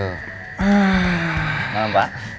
selamat malam pak